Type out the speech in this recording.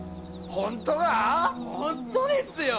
・本当ですよ！